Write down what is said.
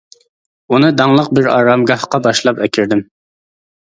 ئۇنى داڭلىق بىر ئارامگاھقا باشلاپ ئەكىردىم.